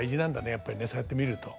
やっぱりねそうやってみると。